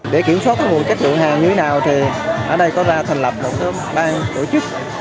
để kiểm soát các nguồn chất lượng hàng như thế nào thì ở đây có ra thành lập một bàn tổ chức